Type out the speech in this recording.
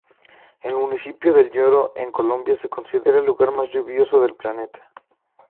El municipio del Lloró en Colombia se considera el lugar más lluvioso del planeta.